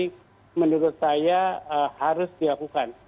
ini menurut saya harus dilakukan